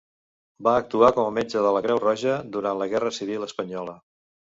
Va actuar com a metge de la Creu Roja durant la guerra civil espanyola.